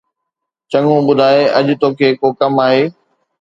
چڱو، ٻڌاءِ، اڄ توکي ڪو ڪم آھي؟